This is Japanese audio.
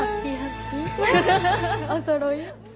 おそろい。